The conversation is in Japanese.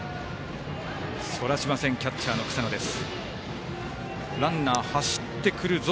そらしませんキャッチャーの草野です。